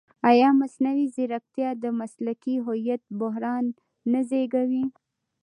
ایا مصنوعي ځیرکتیا د مسلکي هویت بحران نه زېږوي؟